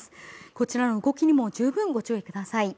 こちらの動きにも十分ご注意ください